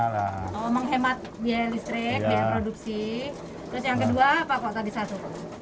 menghemat biaya listrik biaya produksi terus yang kedua apa kok tadi satu